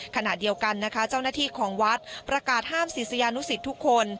ขณะเดียวกันนะคะเจ้าหน้าที่ของวัดประกาศห้ามศิษยานุสิตทุกคน